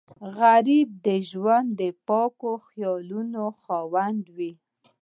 غریب د ژوند د پاکو خیالونو خاوند وي